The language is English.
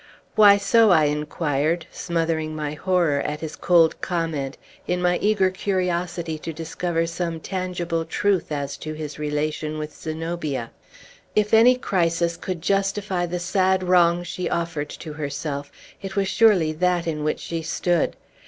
"Why so?" I inquired, smothering my horror at his cold comment, in my eager curiosity to discover some tangible truth as to his relation with Zenobia. "If any crisis could justify the sad wrong she offered to herself, it was surely that in which she stood.